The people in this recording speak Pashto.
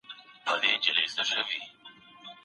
د ارمان بېړۍ شړمه د اومید و شنه دریاب ته